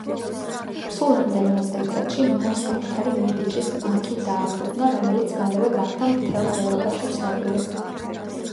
სულ რამდენიმე წელიწადში მან საკუთარი მედიჩის ბანკი დააფუძნა, რომელიც მალევე გახდა მთელს ევროპაში ცნობილი.